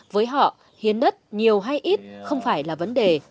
với họ hiến đất nhiều hay ít không phải là vấn đề